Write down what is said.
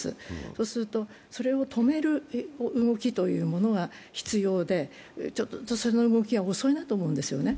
そうするとそれを止める動きというものが必要でその動きが遅いなと思うんですね。